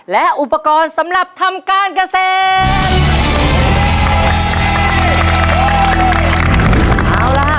และอุปกรณ์สำหรับทำการเกษตร